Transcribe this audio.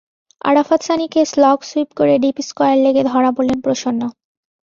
আরাফাত সানিকে slog sweep করে deep square লেগে ধরা পড়লেন প্রসন্ন।